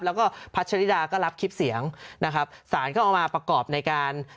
แล้วก็พัชริดาก็รับคลิปเสียงนะครับสารก็เอามาประกอบในการ